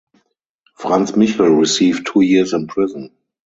Franz Michel received two years in prison.